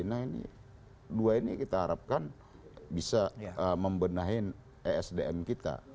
nah ini dua ini kita harapkan bisa membenahin esdm kita